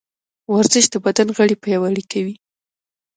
ورزش د بدن غړي پیاوړي کوي.